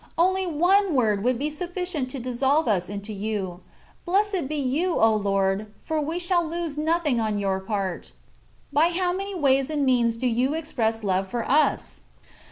Only one word would be sufficient to dissolve us into you. Blessed be you, O Lord ! for we shall lose nothing on your part. By how many ways and means do you express love for us